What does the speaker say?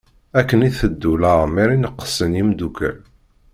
Akken iteddu leɛmer i neqqsen yemdukal.